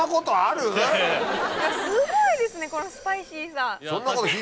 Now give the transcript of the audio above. すごいですねこのスパイシーさ。